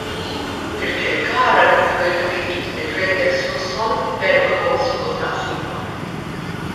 Birkirkara rebħu bil-kbir lil Raiders Luxol b'erba' gowls f'kull taqsima.